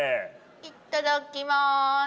いっただきます。